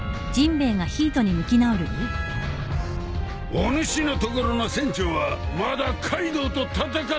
お主のところの船長はまだカイドウと戦っとるのか？